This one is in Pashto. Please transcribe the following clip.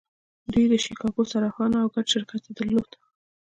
دوی د شیکاګو صرافان وو او ګډ شرکت یې درلود